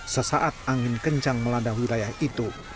sesaat angin kencang melanda wilayah itu